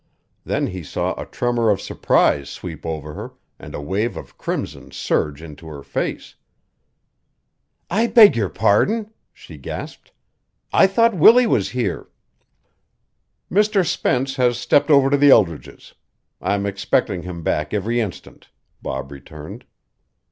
Then he saw a tremor of surprise sweep over her, and a wave of crimson surge into her face. "I beg your pardon," she gasped. "I thought Willie was here." "Mr. Spence has stepped over to the Eldredges'. I'm expecting him back every instant," Bob returned.